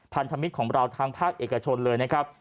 พันธมิตรของเราทางภาคเอกชนเลยนะครับ